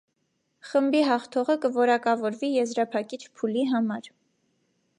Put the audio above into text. Խմբի հաղթողը կորակավորվի եզրափակիչ փուլի համար։